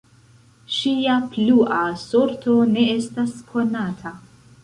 Ŝia plua sorto ne estas konata.